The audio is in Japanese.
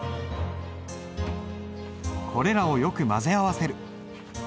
これらをよく混ぜ合わせる。